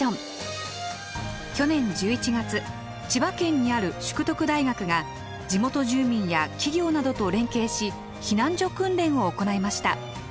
去年１１月千葉県にある淑徳大学が地元住民や企業などと連携し避難所訓練を行いました。